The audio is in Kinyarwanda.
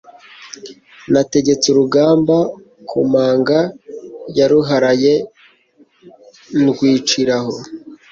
nategetse urugamba ku manga ya Ruharaye ndwiciraho